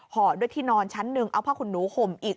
ห่อด้วยที่นอนชั้นหนึ่งเอาผ้าขนหนูห่มอีก